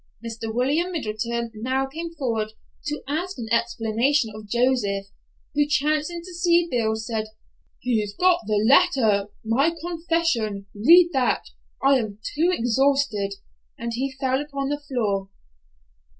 Mr. William Middleton now came forward to ask an explanation of Joseph, who, chancing to see Bill, said, "He's got the letter—my confession. Read that—I am too exhausted," and he fell upon the floor.